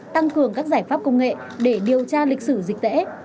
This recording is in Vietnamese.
tăng cường các giải pháp công nghệ để điều tra lịch sử dịch tễ